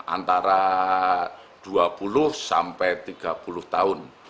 antara dua puluh sampai tiga puluh tahun